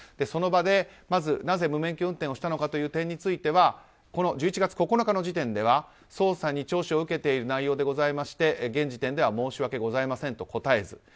その場でまずなぜ無免許運転をしたのかという点については１１月９日の時点では捜査に聴取を受けている内容でございまして現時点では申し訳ございませんと答えず。